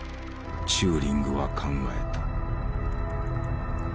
チューリングは考えた。